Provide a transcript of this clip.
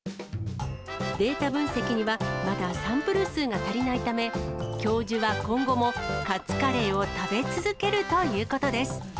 データ分析には、まだサンプル数が足りないため、教授は今後もカツカレーを食べ続けるということです。